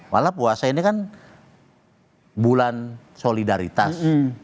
wala puasa ini kan bulan solidaritas